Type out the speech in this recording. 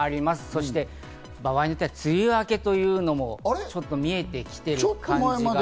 そして場合によっては梅雨明けというのも、ちょっと見えてきている感じが。